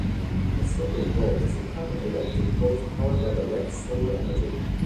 A solar boat is a kind of electric boat powered by direct solar energy.